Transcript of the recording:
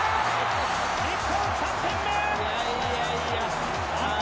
日本、３点目！